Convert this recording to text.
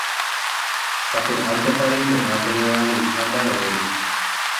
Sapy'ántepa reimo'ã nderevaleiha mba'evére.